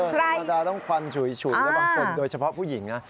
ธรรมดาต้องควันฉุยแล้วบางคนโดยเฉพาะผู้หญิงนะ